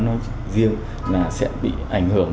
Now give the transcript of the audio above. nói riêng là sẽ bị ảnh hưởng